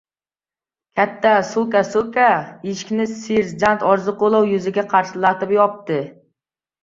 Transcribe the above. Katta so‘ka-so‘ka, eshikni serjant Orziqulov yuziga qarsillatib yopdi.